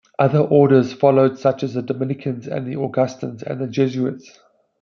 Other orders followed such as the Dominicans, the Augustinians and the Jesuits.